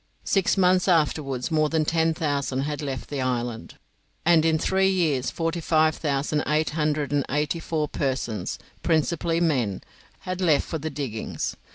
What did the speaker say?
Six months afterwards more than ten thousand had left the island, and in three years forty five thousand eight hundred and eighty four persons, principally men, had left for the diggings.